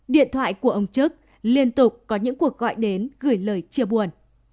điện thoại của ông trức liên tục có những cuộc gọi đến gửi lời chia buồn